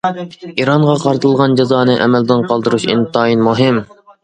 ئىرانغا قارىتىلغان جازانى ئەمەلدىن قالدۇرۇش ئىنتايىن مۇھىم.